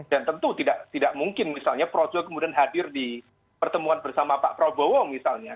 dan tentu tidak mungkin misalnya projo kemudian hadir di pertemuan bersama pak prabowo misalnya